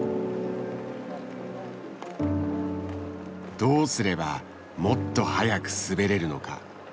どうすればもっと速く滑れるのか。